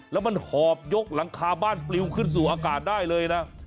แล้วมันหอบยกหลังคาบ้านปลิวขึ้นสู่อากาศได้เลยนะ